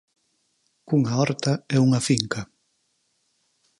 Cunha horta e unha finca.